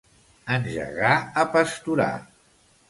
Engegar a pasturar.